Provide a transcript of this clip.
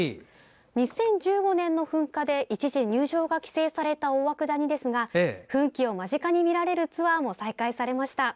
２０１５年の噴火で、一時入場が規制された大涌谷ですが噴気を間近に見られるツアーも再開されました。